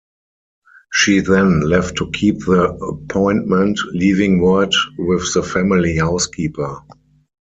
She then left to keep the appointment, leaving word with the family housekeeper.